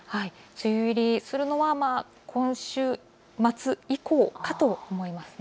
梅雨入りするのは今週末以降かと思います。